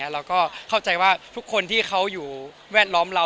เราก็เข้าใจว่าทุกคนที่เขาอยู่แวดล้อมเรา